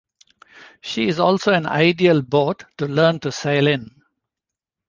She is also an ideal boat to learn to sail in.